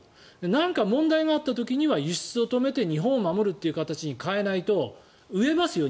なんか問題があった時には輸出を止めて日本を守るという形に変えないと飢えますよ